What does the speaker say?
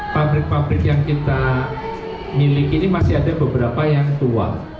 pabrik pabrik yang kita miliki ini masih ada beberapa yang tua